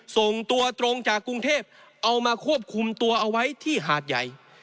ส่งตัวตรงจากกรุงเทพเอามาควบคุมตัวเอาไว้ที่หาดใหญ่